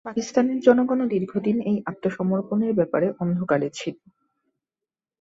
পাকিস্তানের জনগণও দীর্ঘদিন এই আত্মসমর্পণের ব্যাপারে অন্ধকারে ছিল।